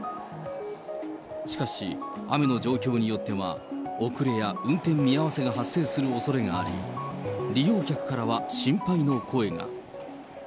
しかし、雨の状況によっては、遅れや運転見合わせが発生するおそれがあり、利用客からは心配の声が。